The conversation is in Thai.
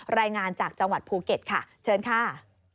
รายงานจากจังหวัดภูเก็ตค่ะเชิญค่ะ